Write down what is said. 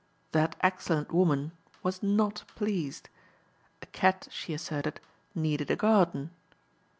That excellent woman was not pleased. A cat, she asserted, needed a garden.